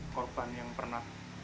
korban yang pernah